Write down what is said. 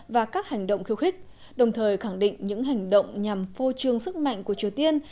và các hành động khiêu khích đồng thời khẳng định những hành động nhằm phô trương sức mạnh của triều tiên